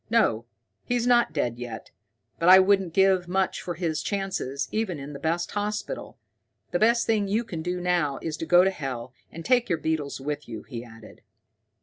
"No, he's not dead yet, but I wouldn't give much for his chances, even in the best hospital. The best thing you can do now is to go to hell, and take your beetles with you," he added.